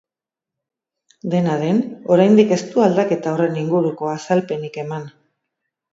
Dena den, oraindik ez du aldaketa horren inguruko azalpenik eman.